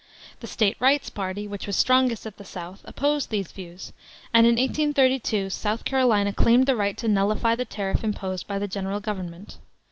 The State Rights party, which was strongest at the South, opposed these views, and in 1832 South Carolina claimed the right to "nullify" the tariff imposed by the general government.